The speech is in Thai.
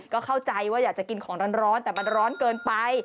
ก็เข้าใจว่าอยากจะกินของร้อนแต่มันร้อนเกินไป